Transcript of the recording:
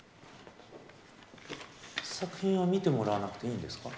作品は見てもらわなくていいんですか？